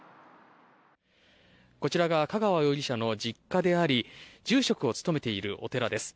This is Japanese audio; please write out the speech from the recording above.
こちらが香川容疑者の実家であり住職を務めているお寺です。